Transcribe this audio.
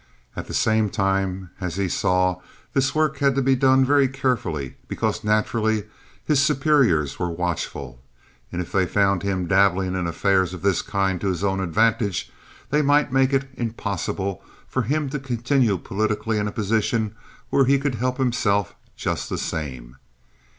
At the same time, as he saw, this work had to be done very carefully, because naturally his superiors were watchful, and if they found him dabbling in affairs of this kind to his own advantage, they might make it impossible for him to continue politically in a position where he could help himself just the same.